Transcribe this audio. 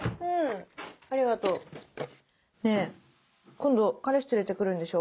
今度彼氏連れてくるんでしょ？